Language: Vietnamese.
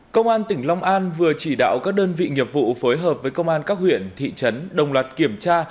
công an tỉnh long an vừa chỉ đạo các đơn vị nghiệp vụ phối hợp với công an các huyện thị trấn đồng loạt kiểm tra